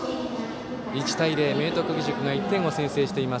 １対０、明徳義塾が１点を先制。